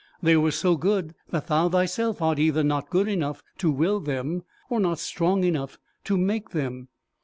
They were so good that thou thyself art either not good enough to will them, or not strong enough to make them.